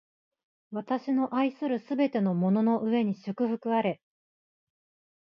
私の愛するすべてのものの上に祝福あれ！